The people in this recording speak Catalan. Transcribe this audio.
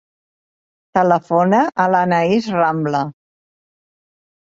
Telefona a l'Anaïs Rambla.